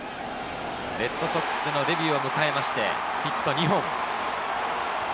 レッドソックスでのデビューを迎えましてヒット２本。